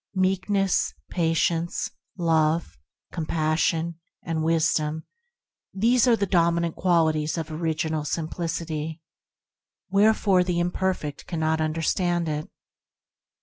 Meekness, Patience, Love, Compassion, and Wisdom — these are the dominant qual ities of Original Simplicity; wherefore the imperfect cannot understand it.